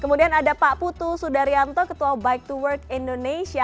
kemudian ada pak putu sudaryanto ketua bike to work indonesia